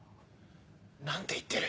何て言ってる？